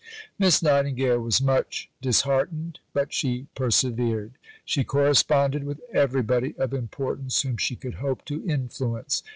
Miss Nightingale was much disheartened, but she persevered. She corresponded with everybody of importance whom she could hope to influence.